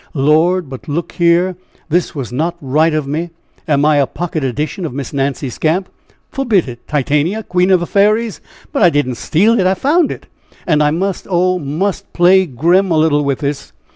Lord, but look here! This was not right of me? Am I a pocket edition of Miss Nancy Skamp! Forbid it, Titania, Queen of the Fairies! But I didn't steal it I found it! And I must, oh! must plague Grim a little with this!